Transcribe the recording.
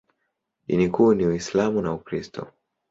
Dini kuu ni Uislamu na Ukristo.